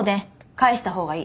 返した方がいい。